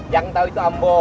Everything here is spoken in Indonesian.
jangan tau itu apa apa